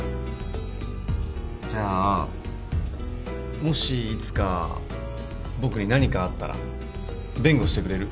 じゃあもしいつか僕に何かあったら弁護してくれる？